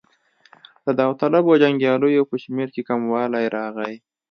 د داوطلبو جنګیالیو په شمېر کې کموالی راغی.